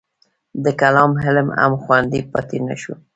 د کلام علم هم خوندي پاتې نه شو.